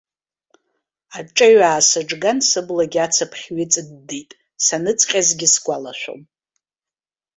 Аҿеҩ аасыҿган, сыблагьы ацыԥхь ҩыҵыддит, саныҵҟьазгьы сгәалашәом.